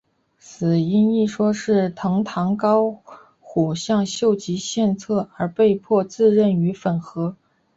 死因一说是藤堂高虎向秀吉献策而被迫自刃于粉河。